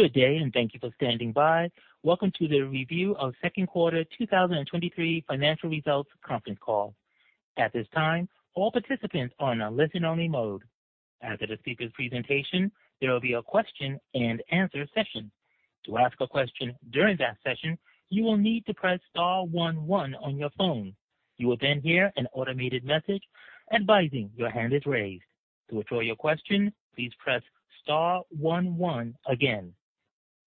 Good day, thank you for standing by. Welcome to The Review of Second Quarter 2023 Financial Results Conference Call. At this time, all participants are in a listen-only mode. After the speaker's presentation, there will be a question-and-answer session. To ask a question during that session, you will need to press star 11 on your phone. You will hear an automated message advising your hand is raised. To withdraw your question, please press star 11 again.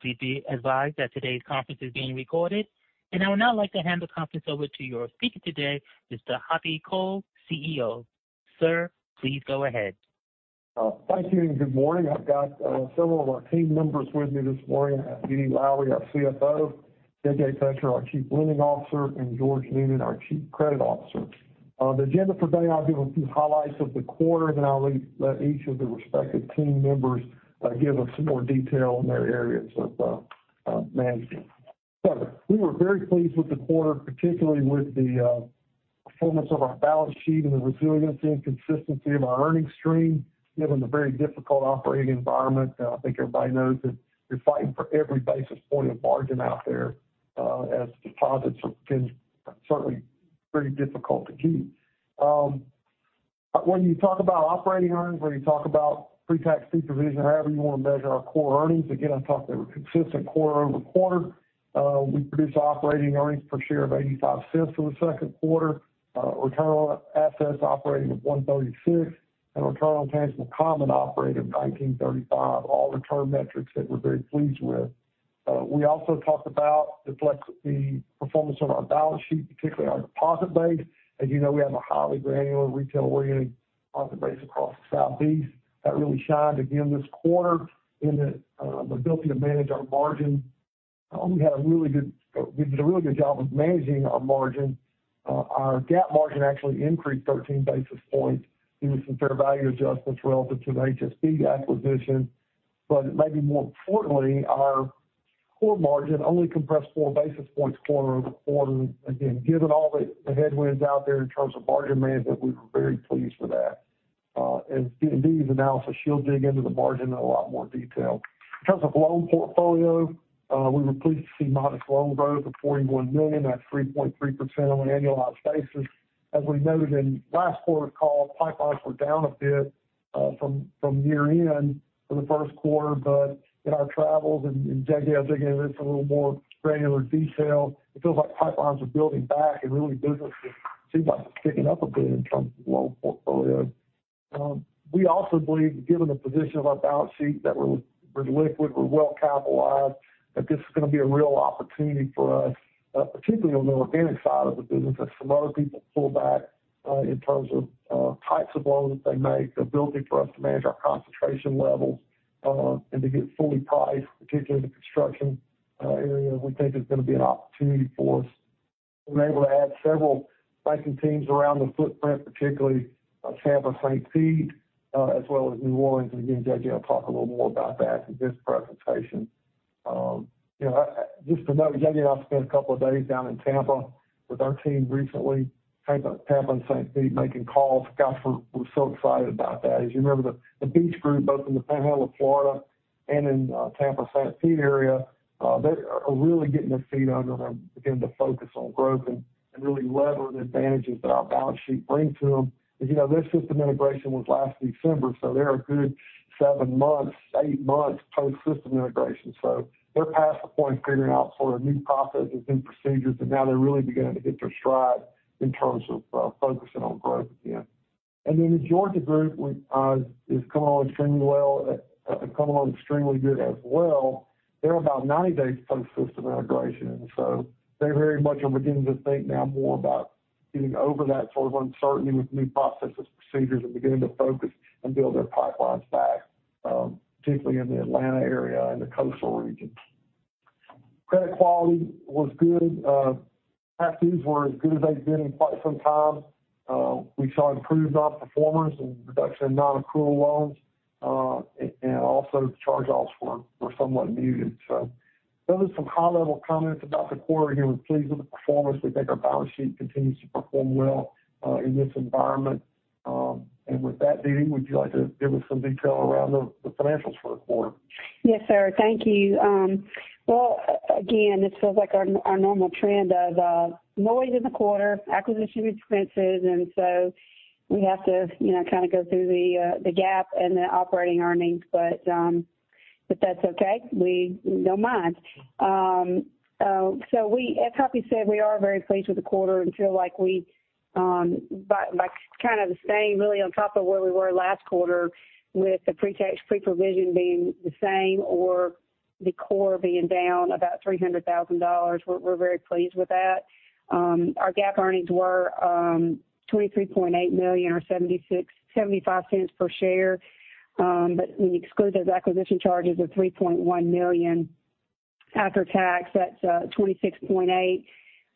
Please be advised that today's conference is being recorded. I would now like to hand the conference over to your speaker today, Mr. Hoppy Cole, CEO. Sir, please go ahead. Thank you, good morning. I've got several of our team members with me this morning. I have DeeDee Lowery, our CFO, J.J. Fletcher, our Chief Lending Officer, and George Noonan, our Chief Credit Officer. The agenda for today, I'll give a few highlights of the quarter, then I'll let each of the respective team members give us some more detail in their areas of management. We were very pleased with the quarter, particularly with the performance of our balance sheet and the resiliency and consistency of our earnings stream, given the very difficult operating environment. I think everybody knows that you're fighting for every basis point of margin out there, as deposits have been certainly pretty difficult to keep. When you talk about operating earnings, when you talk about pre-tax pre-provision, or however you want to measure our core earnings, again, I thought they were consistent quarter-over-quarter. We produced operating earnings per share of $0.85 for the second quarter, return on assets operating at 1.36%, and return on tangible common operating at 19.35%, all return metrics that we're very pleased with. We also talked about the performance on our balance sheet, particularly our deposit base. As you know, we have a highly granular, retail-oriented deposit base across the Southeast. That really shined again this quarter in the ability to manage our margin. We did a really good job of managing our margin. Our GAAP margin actually increased 13 basis points due to some fair value adjustments relative to the HSBI acquisition. Maybe more importantly, our core margin only compressed 4 basis points quarter-over-quarter. Again, given all the headwinds out there in terms of margin management, we were very pleased with that. In DeeDee's analysis, she'll dig into the margin in a lot more detail. In terms of loan portfolio, we were pleased to see modest loan growth of $41 million, at 3.3% on an annualized basis. As we noted in last quarter's call, pipelines were down a bit from year-end for the first quarter, but in our travels, J.J., I think, will give us a little more granular detail. It feels like pipelines are building back, and really business seems like it's picking up a bit in terms of loan portfolio. We also believe, given the position of our balance sheet, that we're liquid, we're well capitalized, that this is going to be a real opportunity for us, particularly on the organic side of the business, as some other people pull back, in terms of types of loans that they make, the ability for us to manage our concentration levels, and to get fully priced, particularly in the construction area, we think is going to be an opportunity for us. We're able to add several banking teams around the footprint, particularly Tampa, St. Pete, as well as New Orleans, and again, JJ will talk a little more about that in his presentation. You know, just to note, JJ and I spent a couple of days down in Tampa with our team recently, Tampa and St. Pete, making calls. Gosh, we're so excited about that. As you remember, the beach group, both in the Panhandle of Florida and in Tampa, St. Pete area, they are really getting their feet under them, beginning to focus on growth and really lever the advantages that our balance sheet bring to them. As you know, their system integration was last December. They're a good seven months, eight months post-system integration. They're past the point of figuring out sort of new processes and procedures, and now they're really beginning to hit their stride in terms of focusing on growth again. The Georgia group is coming along extremely well, coming along extremely good as well. They're about 90 days post-system integration. They very much are beginning to think now more about getting over that sort of uncertainty with new processes, procedures, and beginning to focus and build their pipelines back, particularly in the Atlanta area and the coastal regions. Credit quality was good. Past dues were as good as they've been in quite some time. We saw improved nonperformers and reduction in nonaccrual loans, and also charge-offs were somewhat muted. Those are some high-level comments about the quarter. Again, we're pleased with the performance. We think our balance sheet continues to perform well in this environment. With that, DeeDee, would you like to give us some detail around the financials for the quarter? Yes, sir. Thank you. Again, this feels like our normal trend of noise in the quarter, acquisition expenses, we have to, you know, kind of go through the GAAP and the operating earnings. If that's okay, we don't mind. As Hoppy said, we are very pleased with the quarter and feel like we by kind of staying really on top of where we were last quarter with the pre-tax, pre-provision being the same or the core being down about $300,000. We're very pleased with that. Our GAAP earnings were $23.8 million or $0.75 per share. When you exclude those acquisition charges of $3.1 million after tax, that's $26.8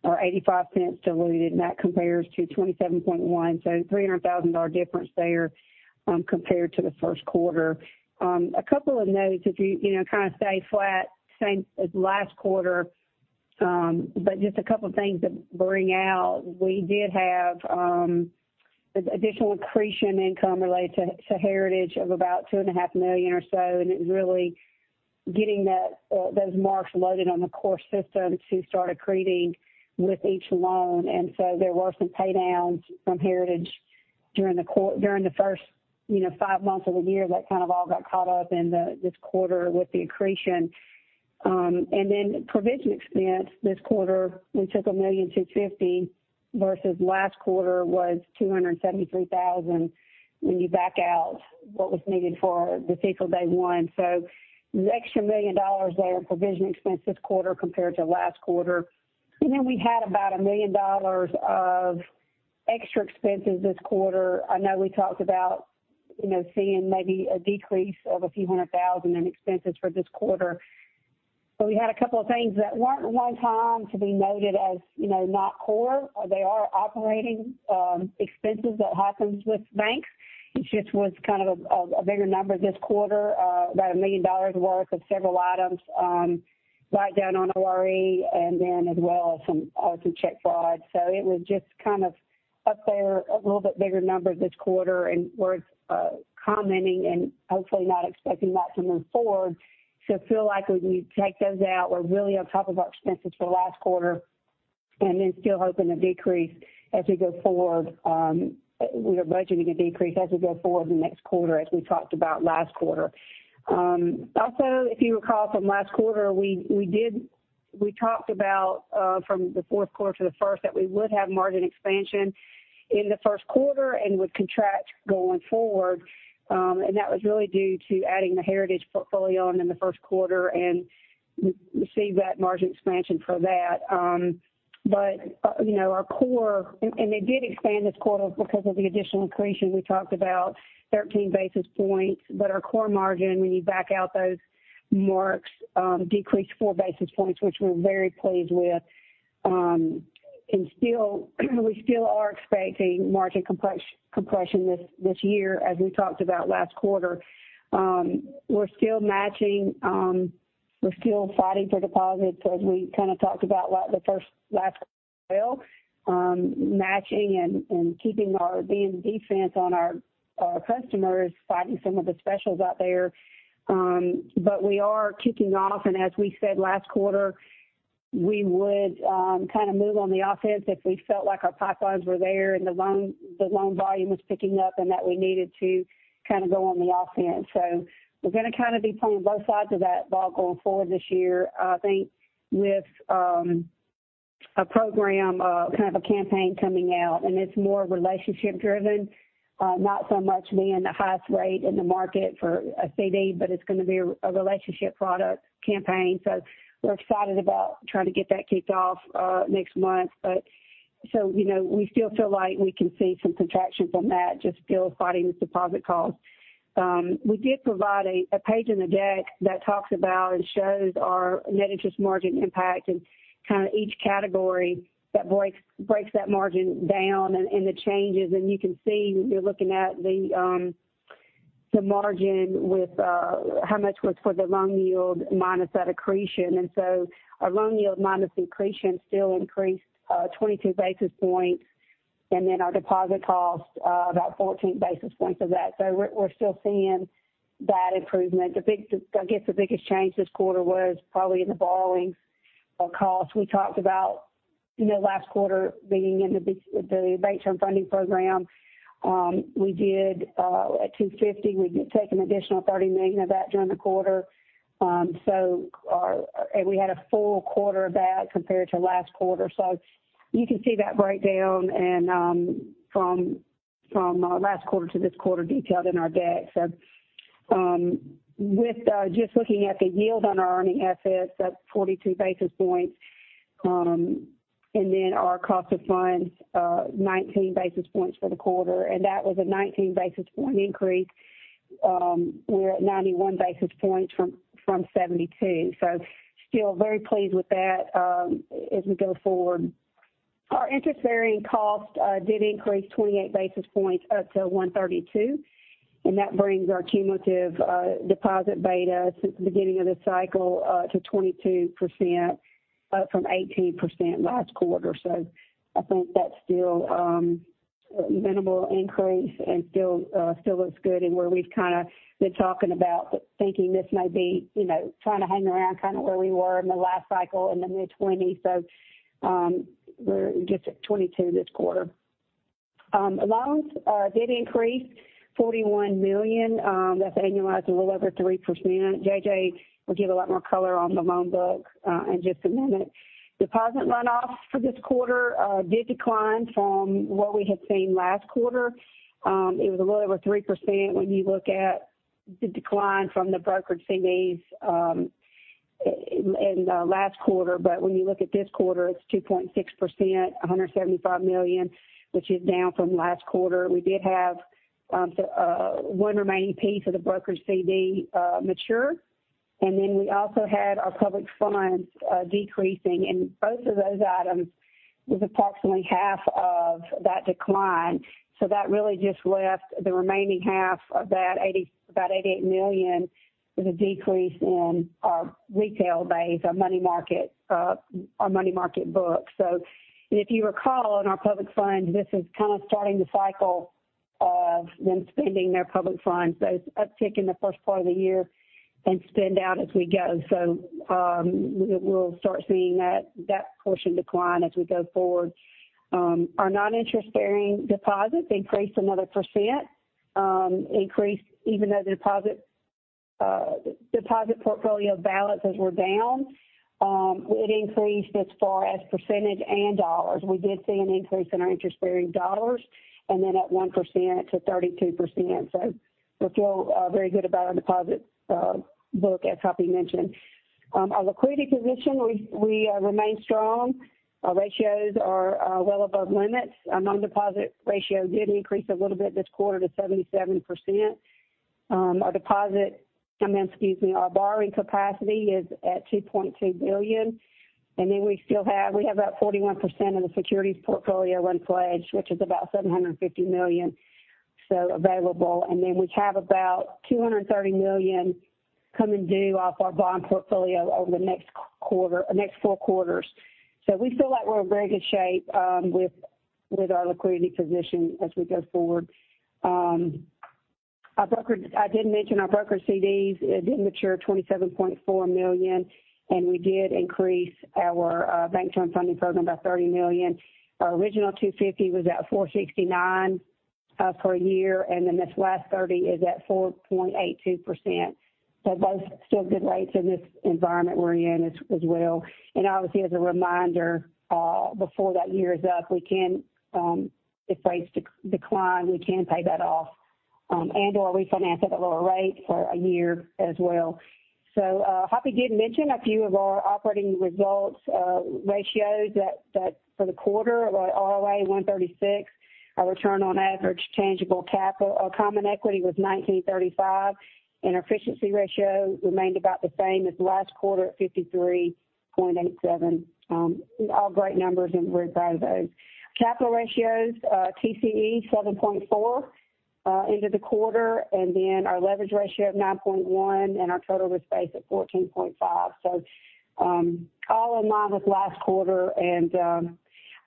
or $0.85 diluted, that compares to $27.1 - $300,000 difference there, compared to the first quarter. A couple of notes, if you, you know, kind of stay flat, same as last quarter. Just a couple of things to bring out. We did have additional accretion income related to Heritage of about $2.5 million or so, it's really getting that those marks loaded on the core system to start accreting with each loan. There were some pay downs from Heritage during the first, you know, five months of the year, that kind of all got caught up in this quarter with the accretion. provision expense this quarter, we took $1.25 million, versus last quarter was $273,000, when you back out what was needed for the CECL Day One. The extra $1 million there in provision expense this quarter compared to last quarter. We had about $1 million of extra expenses this quarter. I know we talked about, you know, seeing maybe a decrease of a few hundred thousand in expenses for this quarter, but we had a couple of things that weren't one time to be noted as, you know, not core. They are operating expenses that happens with banks. It just was kind of a, a bigger number this quarter, about $1 million worth of several items, write down on ORE, and then as well as some check fraud. It was just kind of up there, a little bit bigger number this quarter, and we're commenting and hopefully not expecting that to move forward. Feel like when you take those out, we're really on top of our expenses for last quarter, and then still hoping to decrease as we go forward, we are budgeting a decrease as we go forward in the next quarter, as we talked about last quarter. Also, if you recall from last quarter, we talked about, from the fourth quarter to the first, that we would have margin expansion in the first quarter and would contract going forward. That was really due to adding the Heritage portfolio in the first quarter and receive that margin expansion for that. You know, our core, and it did expand this quarter because of the additional accretion we talked about, 13 basis points. Our core margin, when you back out those marks, decreased 4 basis points, which we're very pleased with. Still, we still are expecting margin compression this year, as we talked about last quarter. We're still matching, we're still fighting for deposits, as we kind of talked about the first last quarter as well. Matching and keeping our defense on our customers, fighting some of the specials out there. We are kicking off, and as we said last quarter, we would, kind of move on the offense if we felt like our pipelines were there and the loan volume was picking up and that we needed to kind of go on the offense. We're gonna kind of be playing both sides of that ball going forward this year. I think with, a program, kind of a campaign coming out, and it's more relationship driven, not so much being the highest rate in the market for a CD, but it's gonna be a, a relationship product campaign. We're excited about trying to get that kicked off, next month. You know, we still feel like we can see some contraction from that, just still fighting the deposit cost. We did provide a page in the deck that talks about and shows our net interest margin impact and kind of each category that breaks that margin down and the changes. You can see, you're looking at the margin with how much was for the loan yield minus that accretion. Our loan yield minus accretion still increased 22 basis points, and then our deposit cost about 14 basis points of that. We're still seeing that improvement. I guess, the biggest change this quarter was probably in the borrowing cost. We talked about, you know, last quarter being in the bank term funding program. We did at 250, we did take an additional $30 million of that during the quarter. We had a full quarter of that compared to last quarter. You can see that breakdown from last quarter to this quarter detailed in our deck. With just looking at the yield on our earning assets, that's 42 basis points. Then our cost of funds, 19 basis points for the quarter. That was a 19 basis point increase. We're at 91 basis points from 72. Still very pleased with that as we go forward. Our interest-bearing cost did increase 28 basis points up to 132. That brings our cumulative deposit beta since the beginning of the cycle to 22%, up from 18% last quarter. I think that's still a minimal increase and still looks good. Where we've kind of been talking about thinking this may be, you know, trying to hang around kind of where we were in the last cycle in the mid-20s. We're just at 22 this quarter. Loans did increase $41 million, that's annualized a little over 3%. J.J. will give a lot more color on the loan book in just a minute. Deposit runoffs for this quarter did decline from what we had seen last quarter. It was a little over 3% when you look at the decline from the brokered CDs in last quarter. When you look at this quarter, it's 2.6%, $175 million, which is down from last quarter. We did have one remaining piece of the brokered CD mature, and then we also had our public funds decreasing. Both of those items was approximately half of that decline. That really just left the remaining half of that $88 million, with a decrease in our retail base, our money market, our money market book. If you recall, in our public funds, this is kind of starting the cycle of them spending their public funds. It's uptick in the first part of the year and spend down as we go. We'll start seeing that portion decline as we go forward. Our non-interest-bearing deposits increased another percent, increased even though the deposit portfolio balances were down, it increased as far as percentage and dollars. We did see an increase in our interest-bearing dollars at 1%-32%. We feel very good about our deposit book, as Hoppy mentioned. Our liquidity position, we remain strong. Our ratios are well above limits. Our non-deposit ratio did increase a little bit this quarter to 77%. Our deposit, excuse me, our borrowing capacity is at $2.2 billion, we have about 41% of the securities portfolio unpledged, which is about $750 million, so available. We have about $230 million coming due off our bond portfolio over the next four quarters. We feel like we're in very good shape with our liquidity position as we go forward. I did mention our broker CDs, it did mature $27.4 million, and we did increase our bank term funding program by $30 million. Our original 250 was at 4.69% per year, and then this last 30 is at 4.82%. Both still good rates in this environment we're in as well. Obviously, as a reminder, before that year is up, we can, if rates decline, we can pay that off and/or refinance at a lower rate for a year as well. Hoppy did mention a few of our operating results ratios for the quarter, our ROA 1.36%, our return on average tangible capital, our common equity was 19.35%, and efficiency ratio remained about the same as last quarter at 53.87%. All great numbers, and we're proud of those. Capital ratios, TCE 7.4% into the quarter, and then our leverage ratio of 9.1%, and our total risk base at 14.5%. All in line with last quarter, and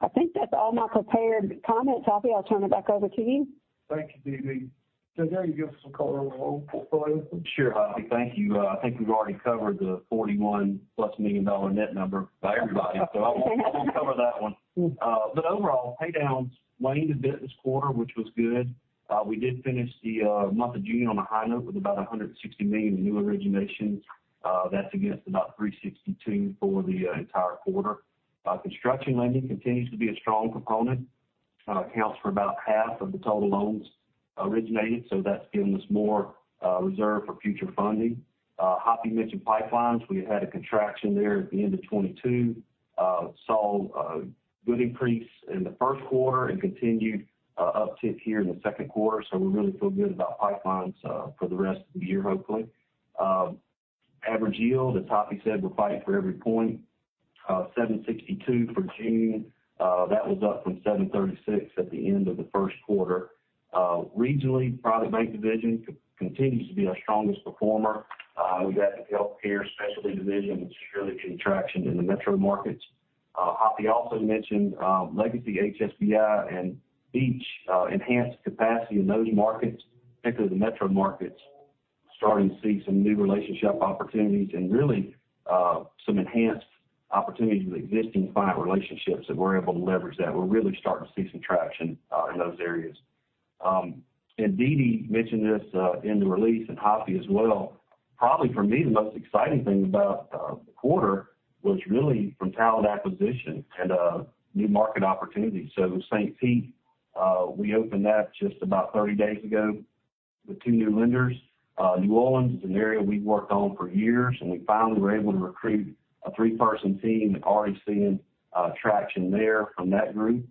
I think that's all my prepared comments. Hoppy, I'll turn it back over to you. Thank you, DeeDee. J.J., can you give us some color on the loan portfolio? Sure, Hoppy. Thank you. I think we've already covered the $41+ million net number by everybody, I won't cover that one. Overall, pay downs waned a bit this quarter, which was good. We did finish the month of June on a high note with about $160 million in new originations. That's against about $362 million for the entire quarter. Construction lending continues to be a strong component, accounts for about half of the total loans originated, that's giving us more reserve for future funding. Hoppy mentioned Pipelines. We had a contraction there at the end of 2022. Saw a good increase in the first quarter and continued uptick here in the second quarter, we really feel good about Pipelines for the rest of the year, hopefully. Average yield, as Hoppy said, we're fighting for every point. 7.62% for June. That was up from 7.36% at the end of the first quarter. Regionally, Private Bank Division continues to be our strongest performer. We've got the Healthcare Specialty Division, which is really contraction in the metro markets. Hoppy also mentioned Legacy HSBI, and each enhanced capacity in those markets, particularly the metro markets, starting to see some new relationship opportunities and really, some enhanced opportunities with existing client relationships, that we're able to leverage that. We're really starting to see some traction in those areas. DeeDee mentioned this in the release and Hoppy as well. Probably for me, the most exciting thing about the quarter was really from talent acquisition and new market opportunities. St. Pete, we opened that just about 30 days ago with two new lenders. New Orleans is an area we've worked on for years, and we finally were able to recruit a three-person team, and already seeing traction there from that group.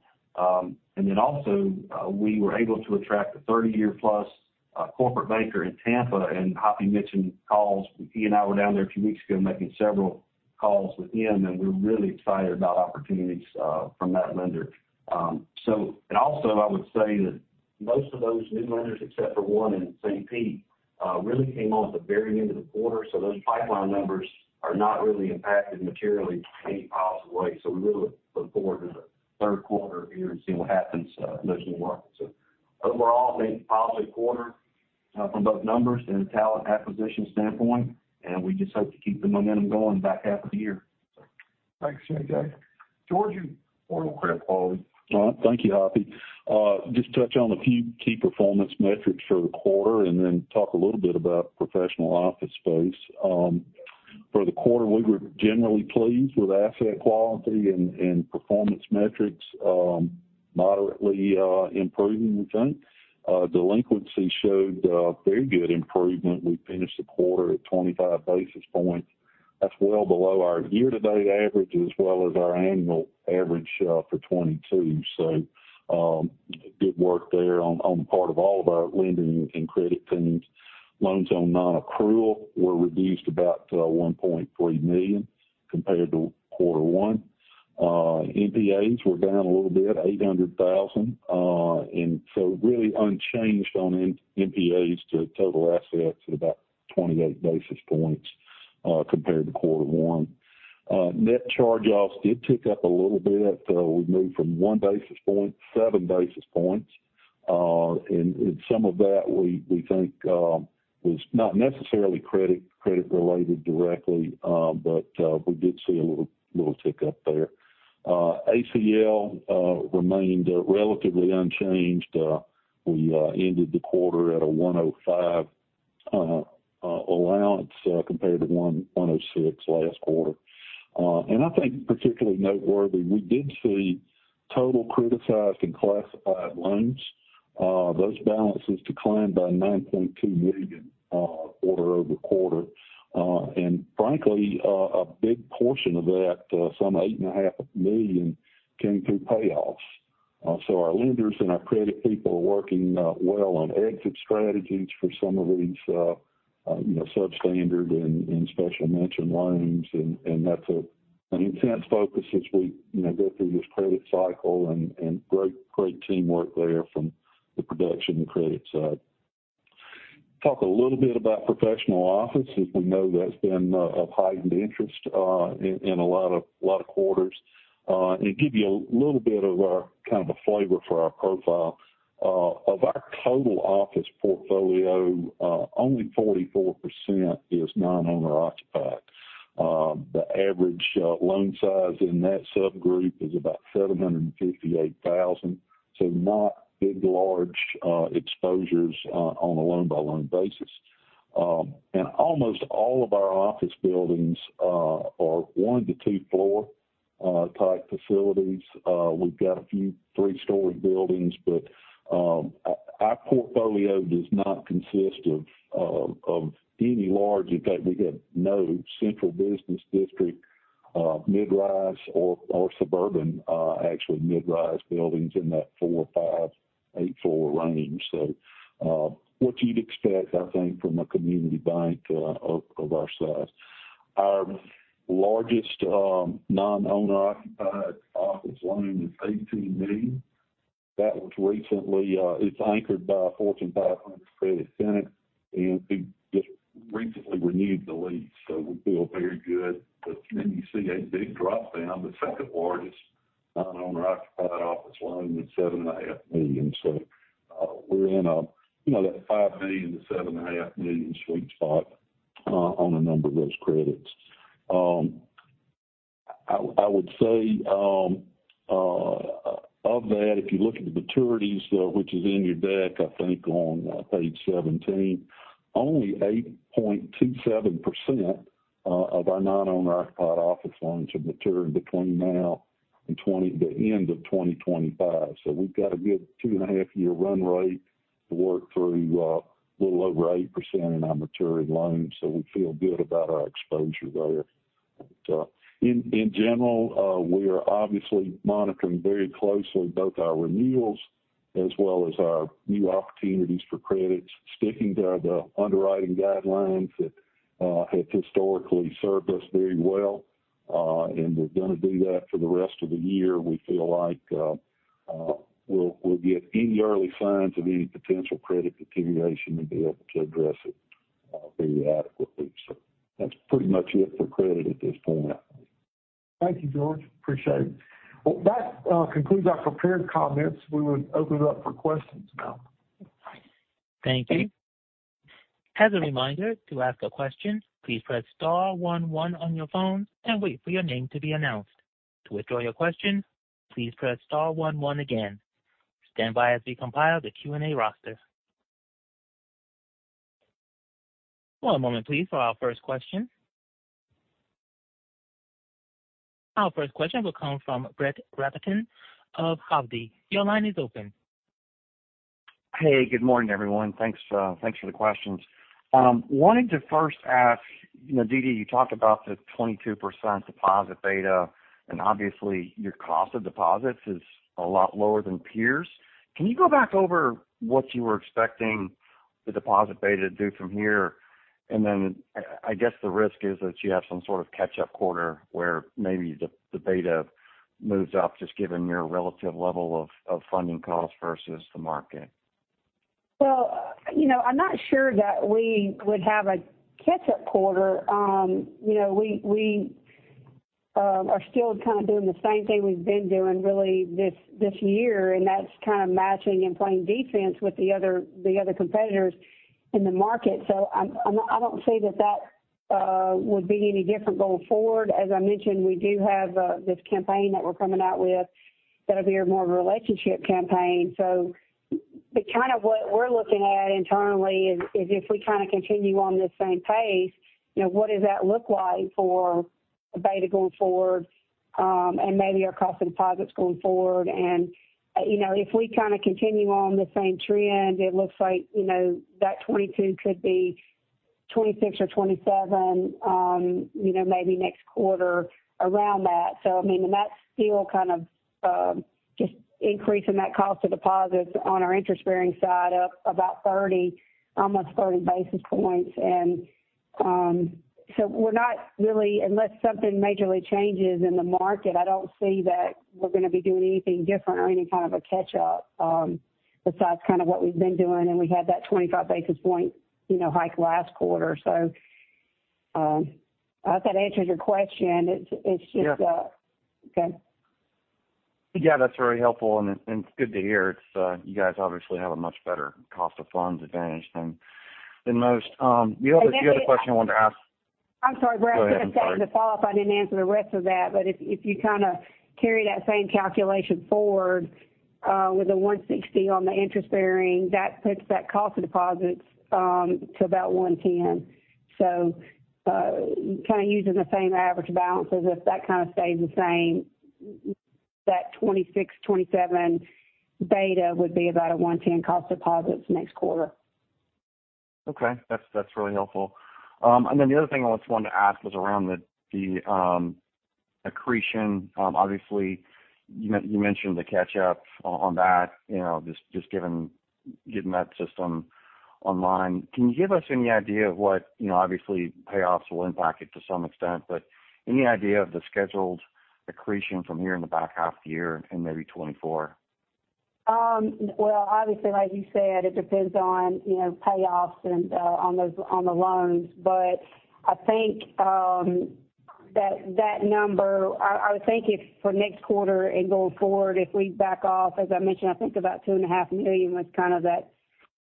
We were able to attract a 30-year-plus corporate banker in Tampa, and Hoppy mentioned calls. He and I were down there a few weeks ago making several calls with him, and we're really excited about opportunities from that lender. I would say that most of those new lenders, except for one in St. Pete, really came on at the very end of the quarter, so those pipeline numbers are not really impacted materially any positive way. We really look forward to the third quarter here and see what happens in those new markets. Overall, I think, positive quarter from both numbers and talent acquisition standpoint, and we just hope to keep the momentum going the back half of the year. Thanks, J.J., George, you want to credit quality? All right. Thank you, Hoppy. Just touch on a few key performance metrics for the quarter, and then talk a little bit about professional office space. For the quarter, we were generally pleased with asset quality and performance metrics, moderately improving, we think. Delinquency showed very good improvement. We finished the quarter at 25 basis points. That's well below our year-to-date average, as well as our annual average for 2022. Good work there on the part of all of our lending and credit teams. Loans on nonaccrual were reduced about $1.3 million compared to quarter one. NPAs were down a little bit, $800,000. So really unchanged on NPAs to total assets at about 28 basis points compared to quarter one. Net charge-offs did tick up a little bit. We moved from 1 basis point, 7 basis points. Some of that, we think, was not necessarily credit-related directly, but we did see a little tick up there. ACL remained relatively unchanged. We ended the quarter at a 105 allowance compared to 106 last quarter. I think particularly noteworthy, we did see total criticized and classified loans. Those balances declined by $9.2 million quarter-over-quarter. Frankly, a big portion of that, some $8.5 million, came through payoffs. Our lenders and our credit people are working well on exit strategies for some of these, you know, substandard and special mention loans. That's an intense focus as we, you know, go through this credit cycle and great teamwork there from the production and credit side. Talk a little bit about professional office. As we know, that's been of heightened interest in a lot of quarters. Give you a little bit of our kind of a flavor for our profile. Our total office portfolio, only 44% is non-owner occupied. The average loan size in that subgroup is about $758,000, so not big, large exposures on a loan-by-loan basis. Almost all of our office buildings are one to two floor type facilities. We've got a few three-story buildings, but our portfolio does not consist of any large. In fact, we have no central business district midrise or suburban actually midrise buildings in that four, five, eight-floor range. What you'd expect, I think, from a community bank of our size. Our largest non-owner occupied office loan is $18 million. That was recently, it's anchored by a Fortune 500 credit tenant, and we just recently renewed the lease, so we feel very good. You see a big drop down, the second largest non-owner occupied office loan is seven and a half million. We're in a, you know, that $5 million to $7.5 million sweet spot, on a number of those credits. I, I would say, of that, if you look at the maturities, which is in your deck, I think on page 17, only 8.27% of our non-owner occupied office loans have matured between now and the end of 2025. We've got a good two-and-a-half-year run rate to work through, a little over 8% in our maturity loans, we feel good about our exposure there. In general, we are obviously monitoring very closely both our renewals as well as our new opportunities for credits, sticking to the underwriting guidelines that have historically served us very well, and we're going to do that for the rest of the year. We feel like we'll get any early signs of any potential credit continuation and be able to address it very adequately. That's pretty much it for credit at this point. Thank you, George. Appreciate it. That concludes our prepared comments. We would open it up for questions now. Thank you. As a reminder, to ask a question, please press star one, one on your phone and wait for your name to be announced. To withdraw your question, please press star one, one again. Stand by as we compile the Q&A roster. One moment, please, for our first question. Our first question will come from Brett Rabatin of Hovde. Your line is open. Hey, good morning, everyone. Thanks, thanks for the questions. Wanted to first ask, you know, DeeDeee, you talked about the 22% deposit beta, obviously, your cost of deposits is a lot lower than peers. Can you go back over what you were expecting the deposit beta to do from here? Then I guess the risk is that you have some sort of catch-up quarter, where maybe the beta moves up, just given your relative level of funding costs versus the market. Well, you know, I'm not sure that we would have a catch-up quarter. You know, we are still kind of doing the same thing we've been doing really this year, and that's kind of matching and playing defense with the other competitors in the market. I don't see that would be any different going forward. As I mentioned, we do have this campaign that we're coming out with that'll be more of a relationship campaign. The kind of what we're looking at internally is if we kind of continue on this same pace, you know, what does that look like for the beta going forward, and maybe our cost of deposits going forward? You know, if we kind of continue on the same trend, it looks like, you know, that 22 could be. 26 or 27, you know, maybe next quarter around that. I mean, that's still kind of, just increasing that cost of deposits on our interest-bearing side, up about 30, almost 30 basis points. Unless something majorly changes in the market, I don't see that we're gonna be doing anything different or any kind of a catch-up, besides kind of what we've been doing. We had that 25 basis point, you know, hike last quarter. I hope that answers your question. It's just. Yeah. Okay. Yeah, that's very helpful, and it's good to hear. It's, you guys obviously have a much better cost of funds advantage than most. And then- The other question I wanted to ask. I'm sorry, Brett. Go ahead, I'm sorry. To follow up, I didn't answer the rest of that, but if you kinda carry that same calculation forward, with the 160 on the interest bearing, that puts that cost of deposits to about 110. Kinda using the same average balance, as if that kind of stays the same, that 26, 27 beta would be about a 110 cost deposits next quarter. Okay. That's, that's really helpful. The other thing I also wanted to ask was around the, the accretion. Obviously, you mentioned the catch up on that, you know, getting that system online. Can you give us any idea of what, you know, obviously, payoffs will impact it to some extent, but any idea of the scheduled accretion from here in the back half of the year and maybe 2024? Well, obviously, like you said, it depends on, you know, payoffs and on the loans. I think that number. I would think if for next quarter and going forward, if we back off, as I mentioned, I think about $2.5 million was kind of that,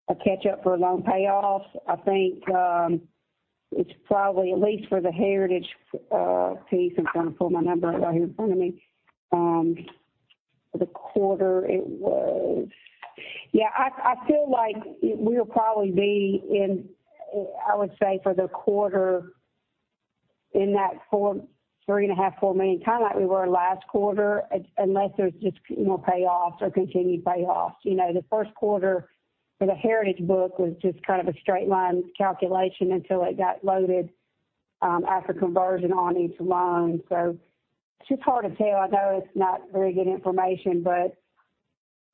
a catch up for loan payoffs. I think it's probably, at least for the Heritage piece, I'm trying to pull my number up right here in front of me. For the quarter, it was. Yeah, I feel like we'll probably be in, I would say, for the quarter in that $3.5 million-$4 million, kinda like we were last quarter, unless there's just, you know, payoffs or continued payoffs. You know, the first quarter for the Heritage book was just kind of a straight line calculation until it got loaded, after conversion on each loan. It's just hard to tell. I know it's not very good information, but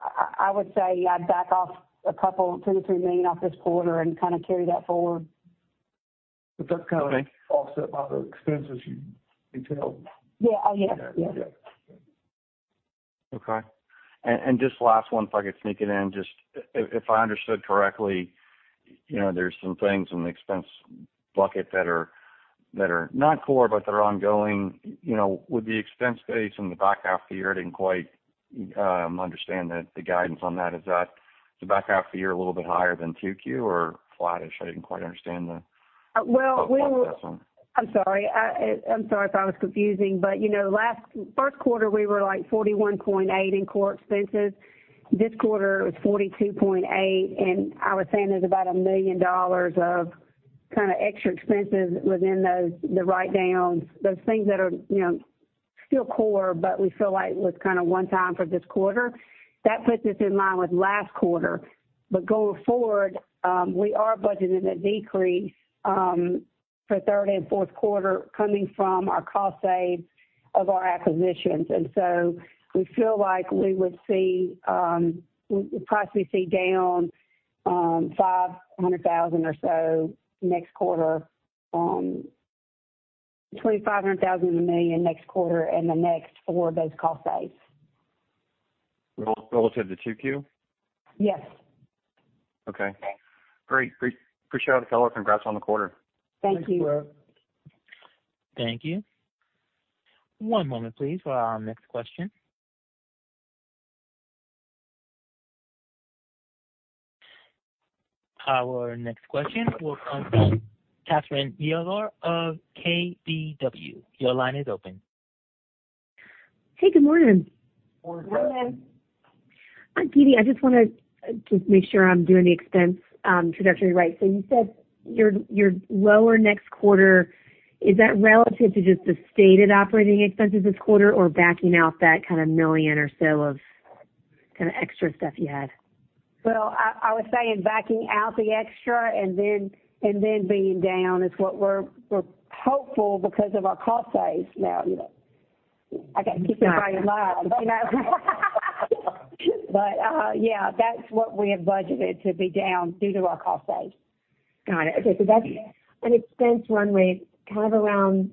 I, I would say I'd back off a couple, $2 million-$3 million off this quarter and kinda carry that forward. But that's kinda- Okay. Offset by the expenses you detailed. Yeah. Oh, yeah. Yeah. Okay. Just last one, if I could sneak it in. Just if I understood correctly, you know, there's some things in the expense bucket that are not core, but they're ongoing. You know, with the expense base in the back half of the year, I didn't quite understand the guidance on that. Is that the back half of the year a little bit higher than 2Q or flattish? I didn't quite understand that. Well, we were. That one. I'm sorry. I'm sorry if I was confusing, but, you know, first quarter, we were, like, $41.8 in core expenses. This quarter it was $42.8, and I was saying there's about $1 million of kinda extra expenses within those, the write-downs. Those things that are, you know, still core, but we feel like was kinda one time for this quarter. That puts us in line with last quarter. Going forward, we are budgeting a decrease for third and fourth quarter coming from our cost save of our acquisitions. We feel like we would see, we'd possibly see down $500,000 or so next quarter, between $500,000 and $1 million next quarter and the next for those cost saves. relative to 2Q? Yes. Okay. Yes. Great. Appreciate all the color. Congrats on the quarter. Thank you. Thanks, Brett. Thank you. One moment, please, for our next question. Our next question will come from Catherine Mealor of KBW. Your line is open. Hey, good morning. Morning. Hi, DeeDee, I just wanna just make sure I'm doing the expense trajectory right. You said you're lower next quarter, is that relative to just the stated operating expenses this quarter, or backing out that kind of $1 million or so of kind of extra stuff you had? Well, I would say in backing out the extra and then being down is what we're hopeful because of our cost saves. Now, you know, I gotta keep everybody in line, you know? Yeah, that's what we have budgeted to be down due to our cost saves. Got it. Okay, that's an expense run rate, kind of around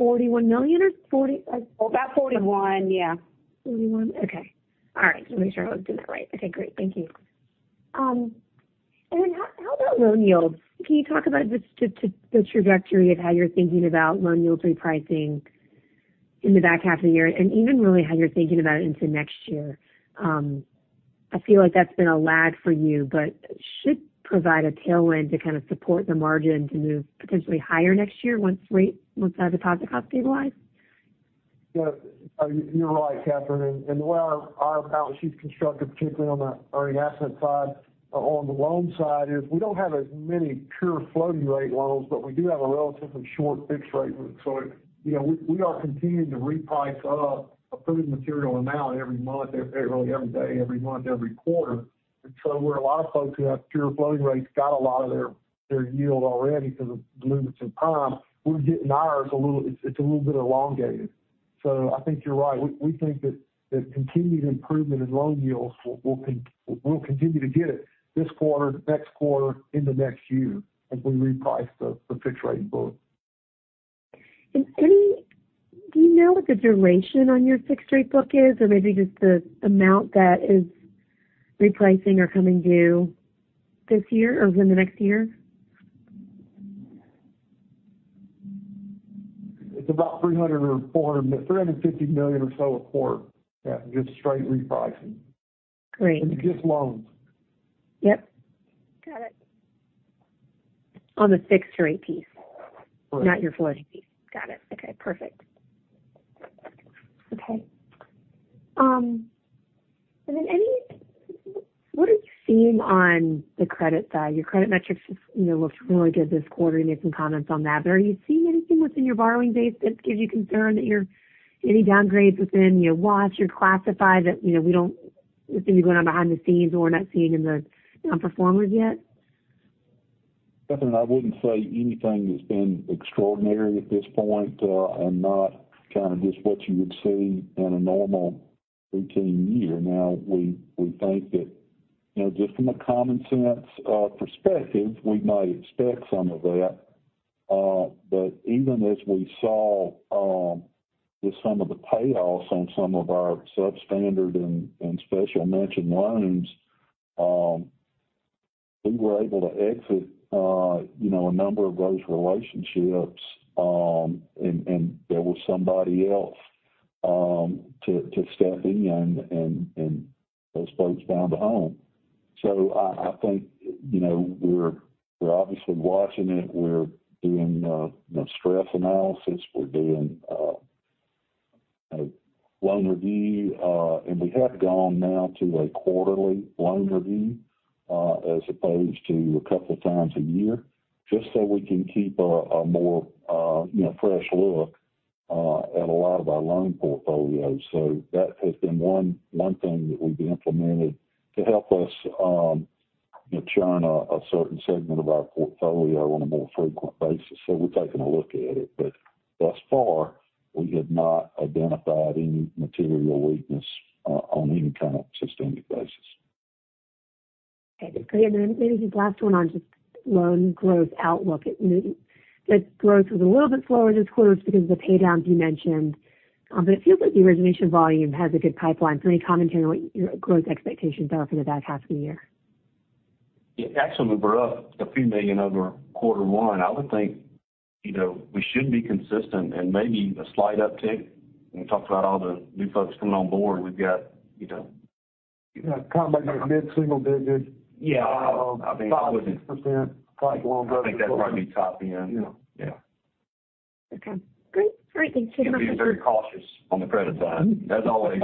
$41 million or. About $41 million, yeah. 41? Okay. All right, just wanna make sure I was doing that right. Okay, great. Thank you. How about loan yields? Can you talk about just the trajectory of how you're thinking about loan yields repricing in the back half of the year and even really how you're thinking about it into next year? I feel like that's been a lag for you, but should provide a tailwind to kind of support the margin to move potentially higher next year once deposit costs stabilize. Yeah, you're right, Catherine, and the way our balance sheet's constructed, particularly on the earning asset side, on the loan side is, we don't have as many pure floating rate loans, but we do have a relatively short fixed rate. you know, we are continuing to reprice up a pretty material amount every month, every, really every day, every month, every quarter. where a lot of folks who have pure floating rates got a lot of their yield already because of movements in prime, we're getting ours it's a little bit elongated. I think you're right. We think that continued improvement in loan yields will continue to get it this quarter, next quarter, in the next year, as we reprice the fixed rate book. Do you know what the duration on your fixed rate book is? Or maybe just the amount that is repricing or coming due this year or within the next year? It's about $300 or $400, $350 million or so a quarter. Yeah, just straight repricing. Great. just loans. Yep, got it. On the fixed rate piece- Right. not your floating piece. Got it. Okay, perfect. Okay, what are you seeing on the credit side? Your credit metrics, you know, looked really good this quarter, and you had some comments on that. Are you seeing anything within your borrowing base that gives you concern? Any downgrades within your watch, your classified, that, you know, we don't seem to be going on behind the scenes or we're not seeing in the nonperformers yet? Catherine, I wouldn't say anything that's been extraordinary at this point, and not kind of just what you would see in a normal 18 year. We think that, you know, just from a common sense, perspective, we might expect some of that. Even as we saw, with some of the payoffs on some of our substandard and special mention loans, we were able to exit, you know, a number of those relationships, and there was somebody else, to step in and those folks found a home. I think, you know, we're obviously watching it. We're doing, you know, stress analysis. We're doing a loan review, and we have gone now to a quarterly loan review, as opposed to a couple of times a year, just so we can keep a more, you know, fresh look, at a lot of our loan portfolios. That has been one thing that we've implemented to help us, churn a certain segment of our portfolio on a more frequent basis. We're taking a look at it, but thus far, we have not identified any material weakness, on any kind of systemic basis. Maybe just last one on just loan growth outlook. The growth was a little bit slower this quarter just because of the pay downs you mentioned, but it feels like the origination volume has a good pipeline. Any commentary on what your growth expectations are for the back half of the year? Yeah, actually, we were up a few million over quarter one. I would think, you know, we should be consistent and maybe a slight uptick. When we talked about all the new folks coming on board, we've got, you know- Kind of like a mid-single digit. Yeah. 5%, 6%, quite well. I think that might be top end. Yeah. Yeah. Okay, great. Great. Thank you. Be very cautious on the credit side, as always.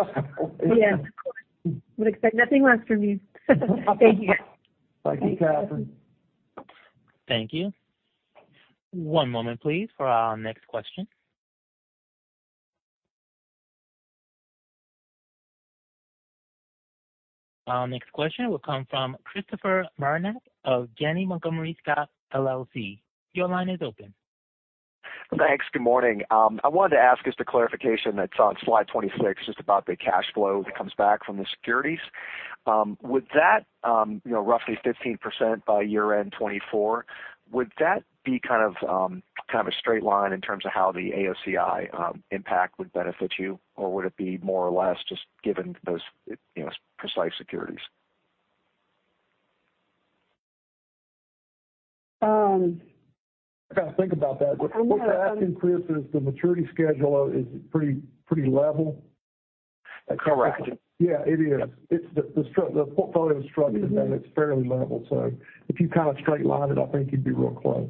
Yes, of course. Would expect nothing less from you. Thank you. Thank you, Catherine. Thank you. One moment, please, for our next question. Our next question will come from Christopher Marinac of Janney Montgomery Scott, LLC. Your line is open. Thanks. Good morning. I wanted to ask just a clarification that's on slide 26, just about the cash flow that comes back from the securities. Would that, you know, roughly 15% by year-end 2024, would that be kind of a straight line in terms of how the AOCI, impact would benefit you? Or would it be more or less just given those, you know, precise securities? got to think about that. What you're asking, Chris, is the maturity schedule is pretty level? Correct. Yeah, it is. It's the portfolio structure then it's fairly level, so if you kind of straight line it, I think you'd be real close.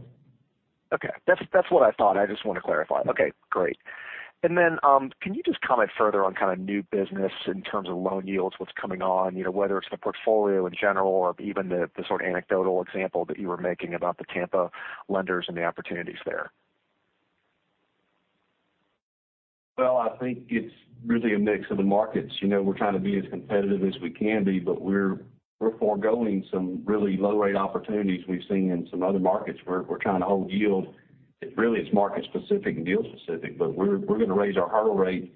Okay. That's what I thought. I just wanted to clarify. Okay, great. Then, can you just comment further on kind of new business in terms of loan yields, what's coming on? You know, whether it's the portfolio in general or even the, the sort of anecdotal example that you were making about the Tampa lenders and the opportunities there. Well, I think it's really a mix of the markets. You know, we're trying to be as competitive as we can be. We're foregoing some really low-rate opportunities we've seen in some other markets where we're trying to hold yield. Really, it's market specific and deal specific. We're going to raise our hurdle rate,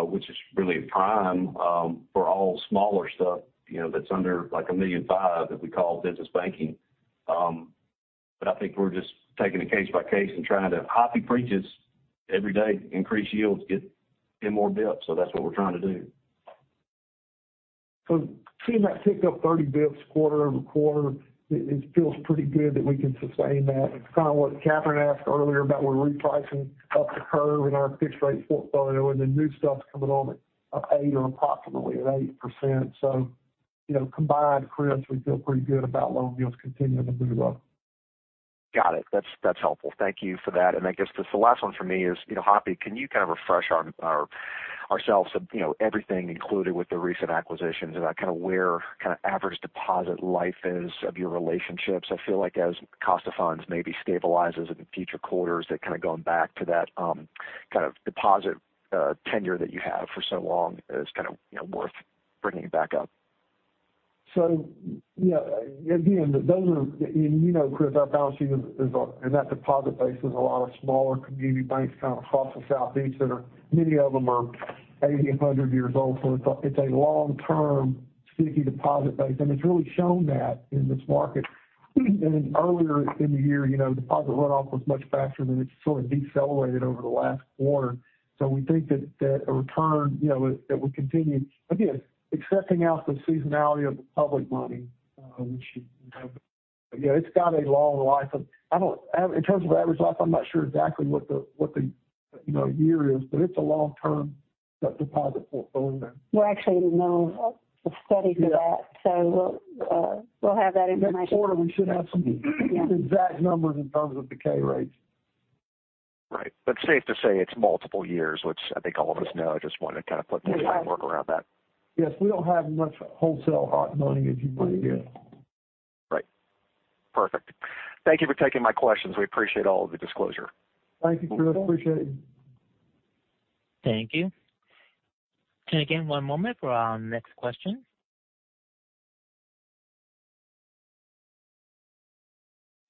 which is really prime for all smaller stuff, you know, that's under like $1.5 million that we call business banking. I think we're just taking it case-by-case and trying to hockey preaches every day, increase yields, get 10 more bits. That's what we're trying to do. Seeing that tick up 30 bits quarter-over-quarter, it feels pretty good that we can sustain that. It's kind of what Catherine asked earlier about we're repricing up the curve in our fixed-rate portfolio, and the new stuff's coming on at 8% or approximately at 8%. You know, combined, Chris, we feel pretty good about loan yields continuing to move up. Got it. That's helpful. Thank you for that. I guess the, the last one for me is, you know, Hoppy, can you kind of refresh our ourselves of, you know, everything included with the recent acquisitions, and kind of where kind of average deposit life is of your relationships? I feel like as cost of funds maybe stabilizes in future quarters, that kind of going back to that kind of deposit tenure that you had for so long is kind of, you know, worth bringing it back up. Yeah, again, those are and you know, Chris, our balancing is, and that deposit base is a lot of smaller community banks kind of across the Southeast that are, many of them are 80, 100 years old. It's a, it's a long-term sticky deposit base, and it's really shown that in this market. Earlier in the year, you know, deposit runoff was much faster than it's sort of decelerated over the last quarter. We think that, that a return, you know, it would continue. Again, accepting out the seasonality of the public money, which, you know, it's got a long life of. I don't in terms of average life, I'm not sure exactly what the, you know, year is, but it's a long-term deposit portfolio. Well, actually, we know a study for that, so we'll have that information. Next quarter, we should have some exact numbers in terms of decay rates. Right. Safe to say it's multiple years, which I think all of us know. I just wanted to kind of put the time work around that. Yes, we don't have much wholesale hot money, as you might get. Right. Perfect. Thank you for taking my questions. We appreciate all of the disclosure. Thank you, Chris. Appreciate it. Thank you. Can you give one moment for our next question?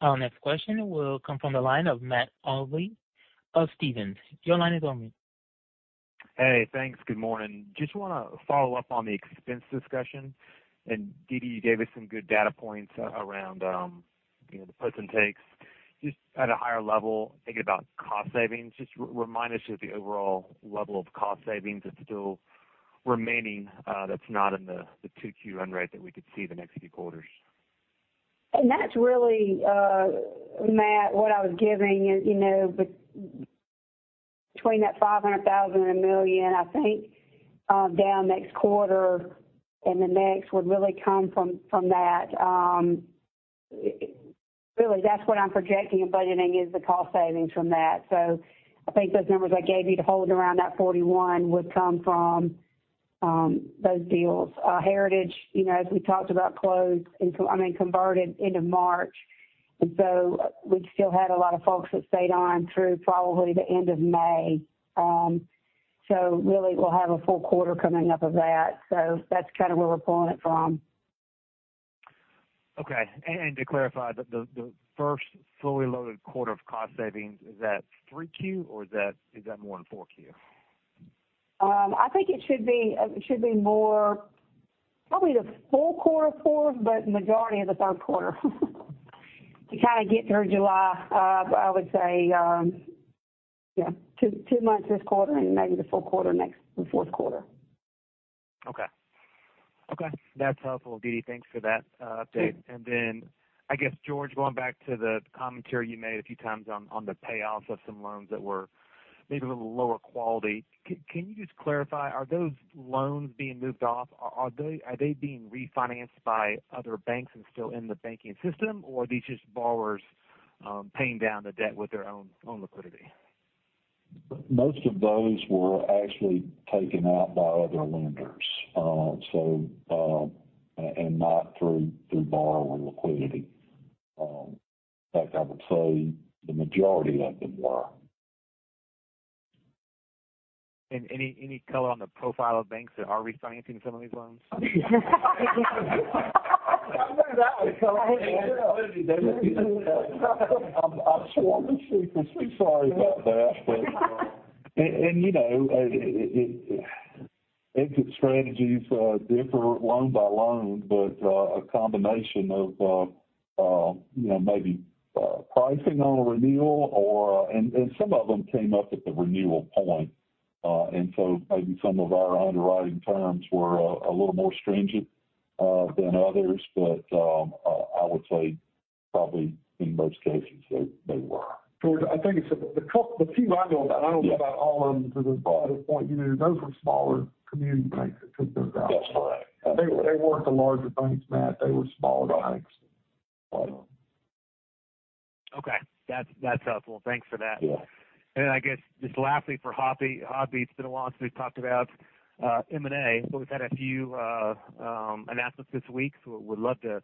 Our next question will come from the line of Matt Olney of Stephens. Your line is on me. Hey, thanks. Good morning. Just want to follow up on the expense discussion. DeeDee, you gave us some good data points around, you know, the puts and takes. Just at a higher level, thinking about cost savings, just remind us of the overall level of cost savings that's still remaining, that's not in the, the two key run rate that we could see the next few quarters. That's really, Matt, what I was giving you, you know, between that $500,000 and $1 million, I think, down next quarter and the next would really come from that. Really, that's what I'm projecting and budgeting is the cost savings from that. I think those numbers I gave you to hold around that 41 would come from those deals. Heritage, you know, as we talked about closed, I mean, converted into March, we still had a lot of folks that stayed on through probably the end of May. Really, we'll have a full quarter coming up of that. That's kind of where we're pulling it from. Okay. To clarify, the first fully loaded quarter of cost savings, is that three Q, or is that more in 4Q? I think it should be more probably the full quarter four, but majority of the third quarter, to kind of get through July. I would say, 2 months this quarter and maybe the full quarter next, the fourth quarter. Okay. Okay, that's helpful, DeeDee, thanks for that update. Sure. I guess, George, going back to the commentary you made a few times on the payoffs of some loans that were maybe a little lower quality, can you just clarify, are those loans being moved off? Are they being refinanced by other banks and still in the banking system, or are these just borrowers paying down the debt with their own liquidity? Most of those were actually taken out by other lenders, not through borrower liquidity. In fact, I would say the majority of them were. Any color on the profile of banks that are refinancing some of these loans? I'm sorry about that. You know, exit strategies differ loan by loan, but a combination of, you know, maybe pricing on a renewal or some of them came up at the renewal point. So maybe some of our underwriting terms were a little more stringent than others, but I would say probably in most cases, they were. George, I think it's the few I know about, I don't know about all of them to this point. You know, those were smaller community banks that took those out. That's right. They weren't the larger banks, Matt. They were smaller banks. Okay, that's helpful. Thanks for that. Yeah. I guess just lastly, for Hoppy. Hoppy, it's been a while since we've talked about M&A, but we've had a few announcements this week, so would love to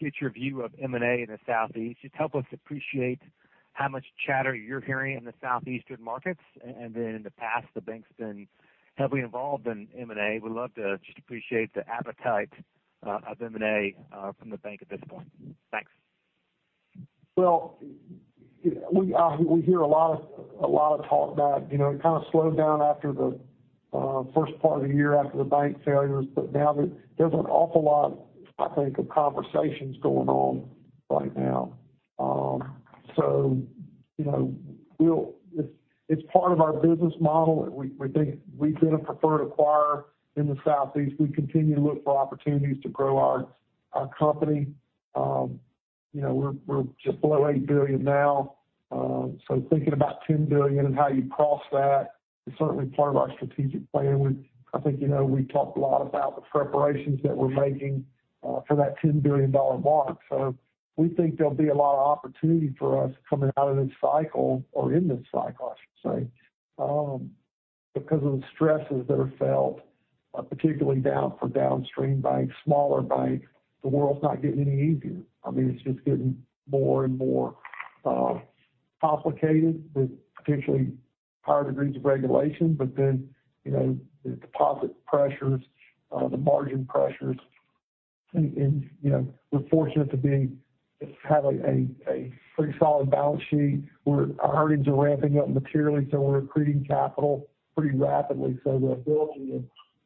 get your view of M&A in the Southeast. Just help us appreciate how much chatter you're hearing in the Southeastern markets, and then in the past, the bank's been heavily involved in M&A. Would love to just appreciate the appetite of M&A from the bank at this point. Thanks. Well, we hear a lot of talk about, you know, it kind of slowed down after the first part of the year, after the bank failures, but now there's an awful lot, I think, of conversations going on right now. You know, it's part of our business model, and we think we've been a preferred acquirer in the Southeast. We continue to look for opportunities to grow our company. You know, we're just below $8 billion now. Thinking about $10 billion and how you cross that is certainly part of our strategic plan. We, I think, you know, we've talked a lot about the preparations that we're making for that $10 billion mark. We think there'll be a lot of opportunity for us coming out of this cycle or in this cycle, I should say, because of the stresses that are felt, particularly down for downstream banks, smaller banks. The world's not getting any easier. I mean, it's just getting more and more complicated with potentially higher degrees of regulation. you know, the deposit pressures, the margin pressures, and, you know, we're fortunate to have a pretty solid balance sheet, where our earnings are ramping up materially, so we're accreting capital pretty rapidly. The ability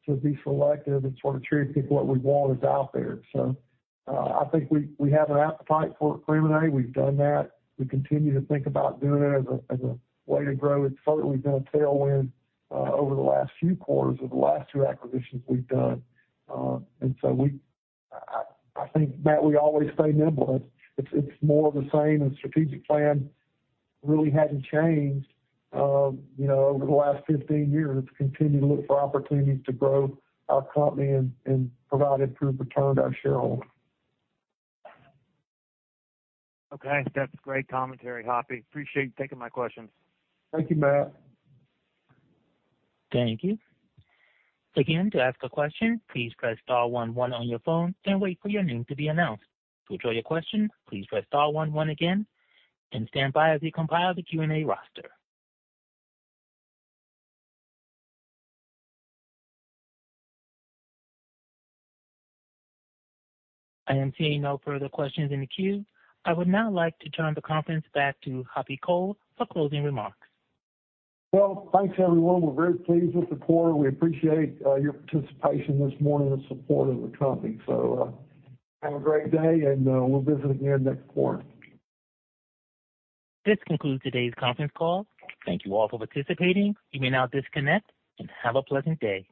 to be selective and sort of cherry-pick what we want is out there. I think we have an appetite for it. Premonite, we've done that. We continue to think about doing it as a way to grow. It's certainly been a tailwind over the last few quarters of the last two acquisitions we've done. I think, Matt, we always stay nimble. It's more of the same, and strategic plan really hasn't changed, you know, over the last 15 years. It's continued to look for opportunities to grow our company and provide improved return to our shareholders. Okay. That's great commentary, Hoppy. Appreciate you taking my questions. Thank you, Matt. Thank you. Again, to ask a question, please press star one one on your phone and wait for your name to be announced. To withdraw your question, please press star one one again and stand by as we compile the Q&A roster. I am seeing no further questions in the queue. I would now like to turn the conference back to Hoppy Cole for closing remarks. Well, thanks, everyone. We're very pleased with the quarter. We appreciate your participation this morning and support of the company. Have a great day, and we'll visit again next quarter. This concludes today's conference call. Thank all for participating. You may now disconnect and have a pleasant day.